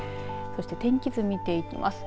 そして天気図を見ていきます。